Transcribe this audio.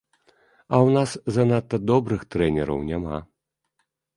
А ў нас занадта добрых трэнераў няма.